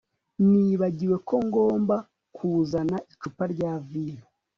Nibagiwe ko ngomba kuzana icupa rya vino